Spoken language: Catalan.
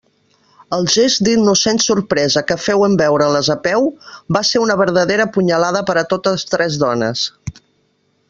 El gest d'innocent sorpresa que féu en veure-les a peu, va ser una verdadera punyalada per a totes tres dones.